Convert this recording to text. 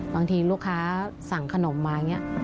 บางทีลูกค้าสั่งขนมมาอย่างนี้